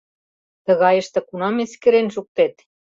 Тыгайыште кунам эскерен шуктет?